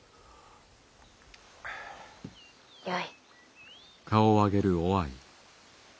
よい。